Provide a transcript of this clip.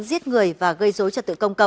giết người và gây dối trật tự công cộng